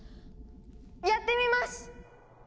やってみます！